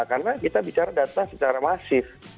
karena kita bicara data secara masif